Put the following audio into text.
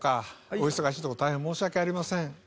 お忙しいところ大変申し訳ありません。